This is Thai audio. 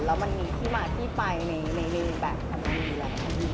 แล้วมันมีที่มาที่ไปในแบบที่มันมีแหละ